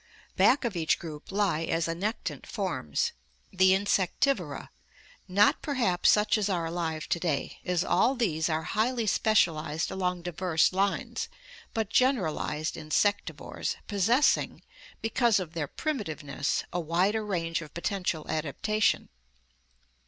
Back of each group lie as annectant forms the Insectivora, not perhaps such as are alive to day, as all these are highly specialized along diverse lines, but generalized insectivores possessing, because of their primitiveness, a wider range of potential adaptation.